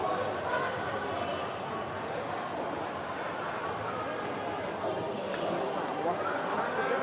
สวัสดีครับ